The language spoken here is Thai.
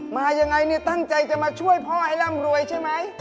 มายังไงเนี่ยตั้งใจจะมาช่วยพ่อให้ร่ำรวยใช่ไหม